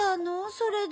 それで。